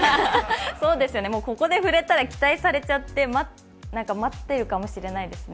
そうですよね、ここで触れたら期待されちゃって待ってるかもしれないですね。